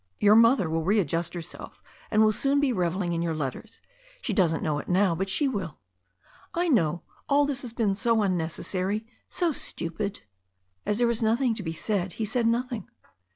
Your mother will readjust herself, and will soon be revelling in your letters. She doesn't know it now, but she will." "I know. All this has been so unnecessary, so stupid." As there was nothing to be said, he said nothing.